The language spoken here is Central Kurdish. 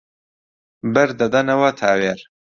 بەر دەدەنەوە تاوێر